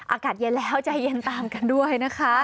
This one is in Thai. อากาศเย็นแล้วใจเย็นตามกันด้วยนะคะ